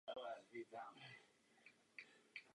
Se zpožděním se tato idea ujala i ve Spojených státech.